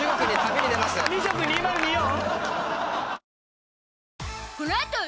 ２食２０２４！？